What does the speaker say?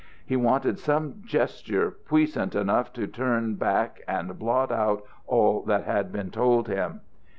He wanted some gesture puissant enough to turn back and blot out all that had been told him.